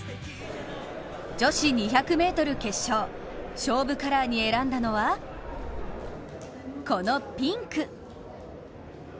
女子２００ｍ決勝、勝負カラーに選んだのは、このピンク。